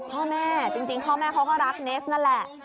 พ่อแม่จริงพ่อแม่เขาก็รักเนสนั่นแหละ